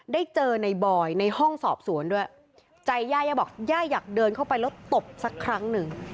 ได้เจอในบอยในห้องสอบสวนด้วยใจย่าย่าบอกย่าอยากเดินเข้าไปแล้วตบสักครั้งหนึ่ง